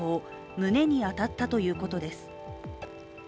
胸に当たったということです。